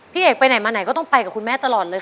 พี่เอกไปไหนมาไหนก็ต้องไปกับคุณแม่ตลอดเลยค่ะ